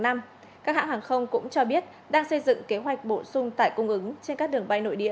các hãng hàng không cũng cho biết đang xây dựng kế hoạch bổ sung tải cung ứng trên các đường bay nội địa